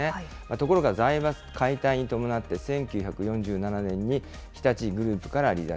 ところが財閥解体に伴って１９４７年に日立グループから離脱。